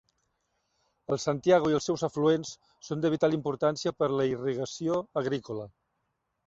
El Santiago i els seus afluents són de vital importància per a la irrigació agrícola.